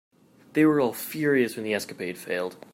They were all furious when the escapade failed.